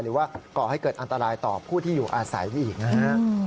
ก่อให้เกิดอันตรายต่อผู้ที่อยู่อาศัยอีกนะฮะ